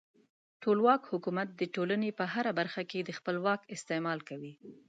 ټولواک حکومت د ټولنې په هره برخه کې د خپل واک استعمال کوي.